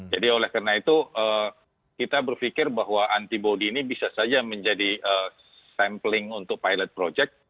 oleh karena itu kita berpikir bahwa antibody ini bisa saja menjadi sampling untuk pilot project